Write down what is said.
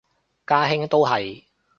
家兄都係